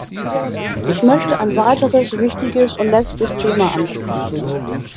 Ich möchte ein weiteres wichtiges und letztes Thema ansprechen.